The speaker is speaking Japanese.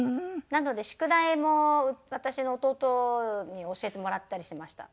なので宿題も私の弟に教えてもらったりしました。